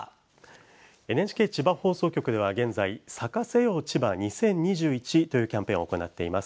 ＮＨＫ千葉放送局では、現在「咲かせよう千葉２０２１」というキャンペーンを行っています。